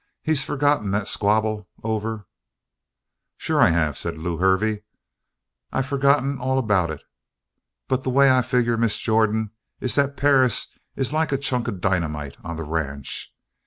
He's forgotten that squabble over " "Sure I have," said Lew Hervey. "I've forgotten all about it. But the way I figure, Miss Jordan, is that Perris is like a chunk of dynamite on the ranch.